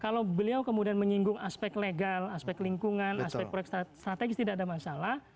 kalau beliau kemudian menyinggung aspek legal aspek lingkungan aspek proyek strategis tidak ada masalah